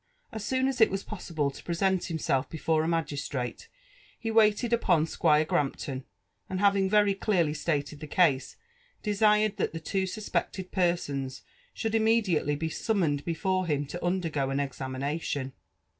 As soon as it was possible to present himself before, a magistrate, he wiiited upon Squire Grampton, and having very clearly stated the case, desired that the two suspected persons should immediately be sumr* maned before him to undergo an examination.